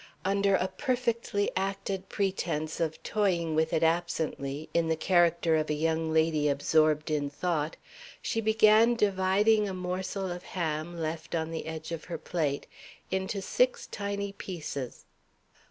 Under a perfectly acted pretense of toying with it absently, in the character of a young lady absorbed in thought, she began dividing a morsel of ham left on the edge of her plate, into six tiny pieces.